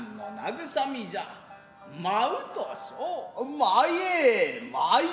舞え舞え。